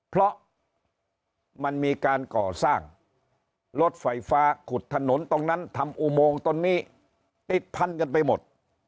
เพราะมันมีการก่อสร้างรถไฟฟ้าขุดถนนตรงนั้นทำอุโมงตรงนี้ติดพันกันไปหมด